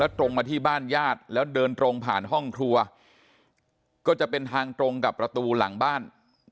ตรงมาที่บ้านญาติแล้วเดินตรงผ่านห้องครัวก็จะเป็นทางตรงกับประตูหลังบ้าน